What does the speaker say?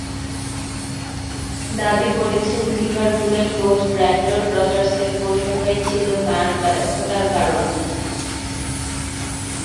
দাবি করেছেন, লিভারপুলের কোচ ব্রেন্ডন রজার্সের কৌশলটাই ছিল তাঁর ব্যর্থতার কারণ।